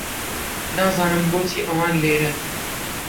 نازانم بۆچی ئەوان لێرەن.